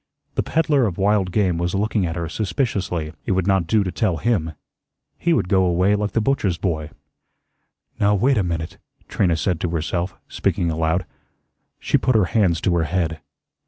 The peddler of wild game was looking at her suspiciously. It would not do to tell him. He would go away like the butcher's boy. "Now, wait a minute," Trina said to herself, speaking aloud. She put her hands to her head.